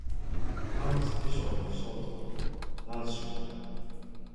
甘粛省の省都は蘭州である